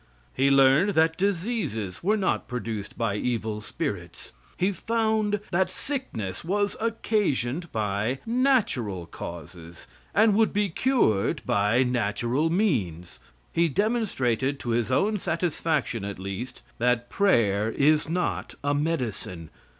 He learned that diseases were not produced by evil spirits. He found that sickness was occasioned by natural causes, and would be cured by natural means. He demonstrated, to his own satisfaction at least, that prayer is not a medicine.